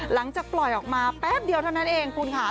หลังจากปล่อยออกมาแป๊บเดียวเท่านั้นเองคุณค่ะ